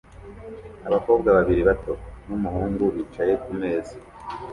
Abakobwa babiri bato n'umuhungu bicaye kumeza